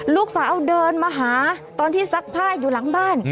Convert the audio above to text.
ลูกสาวเดินมาหาตอนที่ซักผ้าอยู่หลังบ้าน